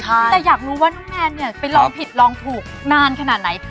แต่อยากรู้ว่าน้องแนนเนี่ยไปลองผิดลองถูกนานขนาดไหน